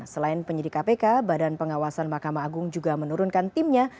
selain penyidik kpk badan pengawasan mahkamah agung juga menurunkan timnya